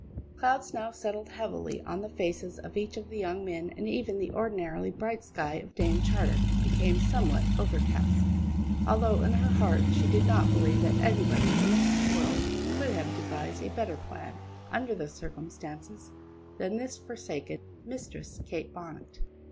Clouds now settled heavily on the faces of each of the young men, and even the ordinarily bright sky of Dame Charter became somewhat overcast; although, in her heart, she did not believe that anybody in this world could have devised a better plan, under the circumstances, than this forsaken Mistress Kate Bonnet.